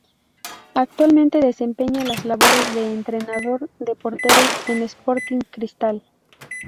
Actualmente desempeña las labores de entrenador de porteros en Sporting Cristal.